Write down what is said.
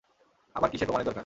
আবার কিসের প্রমাণের দরকার?